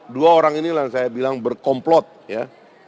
dua orang ini yang saya bilang berkomplot ya